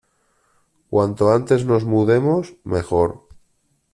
Cuanto antes nos mudemos, mejor.